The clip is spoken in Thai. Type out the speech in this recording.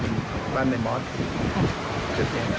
ที่เราเจอไมค์เตสบอร์นระหว่าง